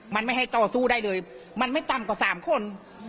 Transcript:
มันไม่ให้ต่อสู้ได้เลยมันไม่ต่ำกว่า๓คน